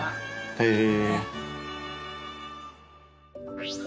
へえ。